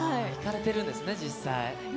行かれてるんですね、実際。